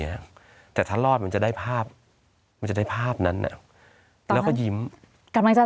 เนี้ยแต่ถ้ารอดมันจะได้ภาพมันจะได้ภาพนั้นอ่ะแล้วก็ยิ้มกำลังจะ